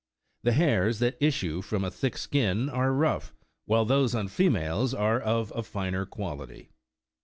The hairs that issue from a thick skin are rough, while those on females are of a finer quality.